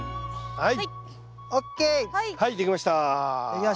はい。